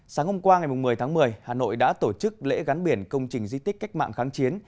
sáng hôm qua ngày một mươi tháng một mươi hà nội đã tổ chức lễ gắn biển công trình di tích cách mạng kháng chiến